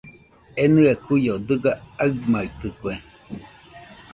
Enɨe kuio dɨga aɨmaitɨkue.